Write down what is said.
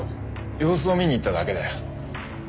様子を見に行っただけだよ。